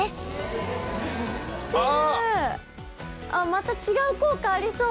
また違う効果ありそう。